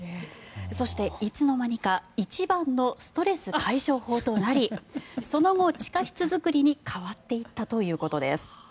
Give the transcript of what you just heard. そして、いつの間にか一番のストレス解消法となりその後、地下室作りに変わっていったということです。